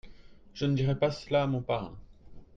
je ne dirai pas cela à mon parrain.